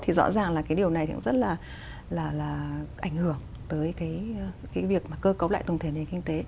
thì rõ ràng là cái điều này thì cũng rất là ảnh hưởng tới cái việc mà cơ cấu lại tổng thể nền kinh tế